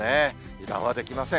油断はできません。